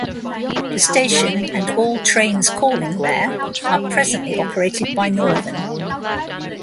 The station and all trains calling there are presently operated by Northern.